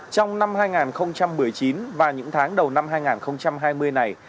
trong năm hai nghìn một mươi chín và những tháng đầu năm hai nghìn hai mươi này